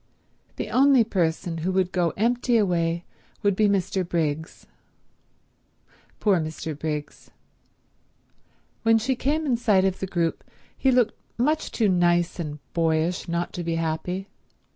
The only person who would go empty away would be Mr. Briggs. Poor Mr. Briggs. When she came in sight of the group he looked much too nice and boyish not to be happy.